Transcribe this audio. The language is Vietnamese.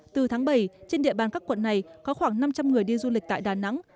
từ tháng bảy trên địa bàn các quận này có khoảng năm trăm linh người đi du lịch tại đà nẵng